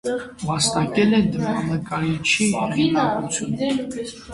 Վաստակել է դիմանկարիչի հեղինակություն։